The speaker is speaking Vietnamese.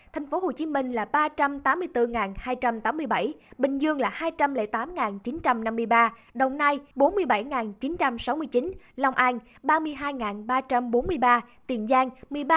thành phố hồ chí minh là ba trăm tám mươi bốn hai trăm tám mươi bảy bình dương là hai trăm linh tám chín trăm năm mươi ba đồng nai bốn mươi bảy chín trăm sáu mươi chín lòng an ba mươi hai ba trăm bốn mươi ba tiền giang một mươi ba chín trăm năm mươi một